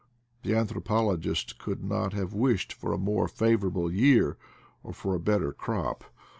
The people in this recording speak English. The anthropologist could not have wished for a more favorable year or for a better crop.